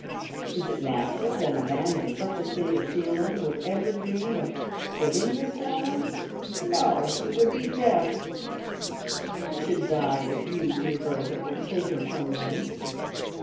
Is it natural that a man in such a state of feeling would ever dream of quitting this woman ? No ; it would be death. I should die if you, dear Bertha, were taken from me.